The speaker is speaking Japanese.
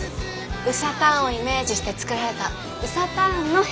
ウサターンをイメージして作られたウサターンの部屋です。